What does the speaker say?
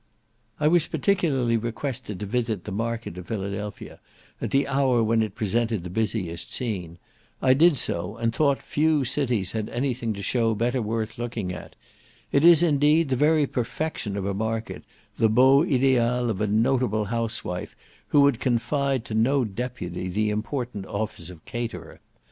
I was particularly requested to visit the market of Philadelphia, at the hour when it presented the busiest scene; I did so, and thought few cities had any thing to show better worth looking at; it is, indeed, the very perfection of a market, the beau ideal of a notable housewife, who would confide to no deputy the important office of caterer.